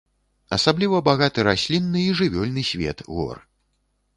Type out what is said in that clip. Асабліва багаты раслінны і жывёльны свет гор.